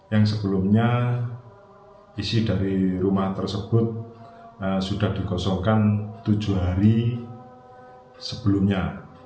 yang sebelumnya isi dari rumah tersebut sudah dikosongkan tujuh hari sebelumnya